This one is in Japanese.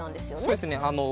そうですね。